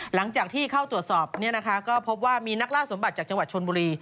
หลังจากที่เข้าตรวจสอบก็พบว่ามีนักล่าสมบัติจากจังหวัดชนบุรี